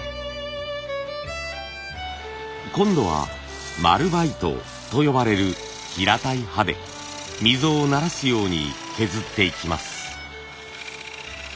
今度は丸バイトと呼ばれる平たい刃で溝をならすように削っていきます。